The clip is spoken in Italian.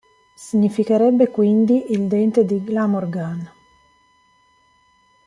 Significherebbe quindi "il dente di Glamorgan".